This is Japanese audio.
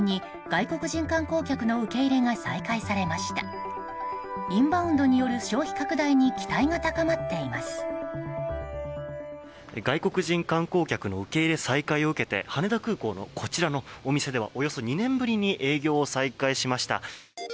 外国人観光客の受け入れ再開を受けて羽田空港のこちらのお店ではおよそ２年ぶりに営業を再開しました。